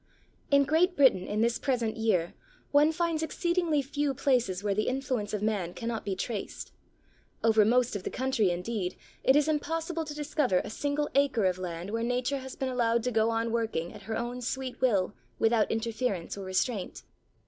In Great Britain in this present year one finds exceedingly few places where the influence of man cannot be traced. Over most of the country, indeed, it is impossible to discover a single acre of land where Nature has been allowed to go on working at her own sweet will without interference or restraint.